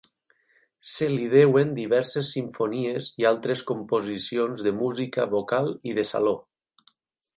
Se li deuen diverses simfonies i altres composicions de música vocal i de saló.